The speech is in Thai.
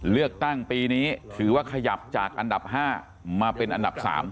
เลือกตั้งปีนี้ถือว่าขยับจากอันดับ๕มาเป็นอันดับ๓